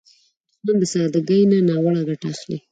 دښمن د سادګۍ نه ناوړه ګټه اخلي